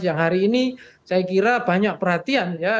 yang hari ini saya kira banyak perhatian ya